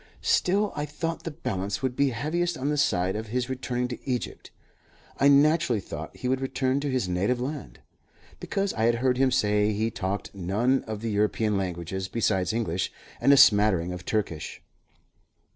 Still I thought the balance would be heaviest on the side of his returning to Egypt. I naturally thought he would return to his native land, because I had heard him say he talked none of the European languages besides English and a smattering of Turkish.